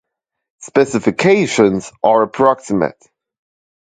"Specifications are approximate"